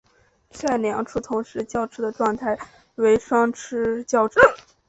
在两处同时叫吃的状态为双叫吃。